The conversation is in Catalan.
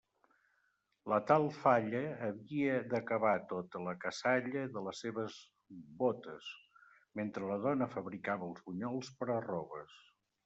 La tal falla havia d'acabar tota la cassalla de les seues bótes, mentre la dona fabricava els bunyols per arroves.